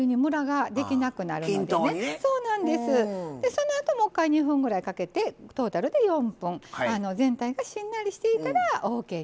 そのあともう一回２分ぐらいかけてトータルで４分全体がしんなりしていたらオーケーになります。